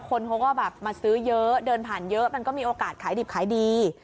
คนเขาก็แบบมาซื้อเยอะเดินผ่านเยอะมันก็มีโอกาสขายดิบขายดี